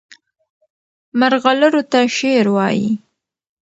مرغلرو ته شعر وایي.